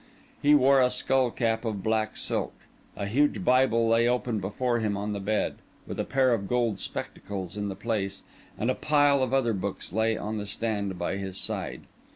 He wore a skull cap of black silk; a huge Bible lay open before him on the bed, with a pair of gold spectacles in the place, and a pile of other books lay on the stand by his side.